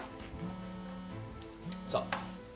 さあ。